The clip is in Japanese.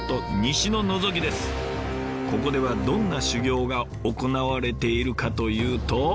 ここではどんな修行が行われているかというと。